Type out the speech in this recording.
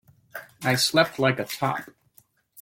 I slept like a top.